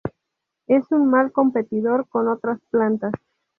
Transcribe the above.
Es un mal competidor con otras plantas.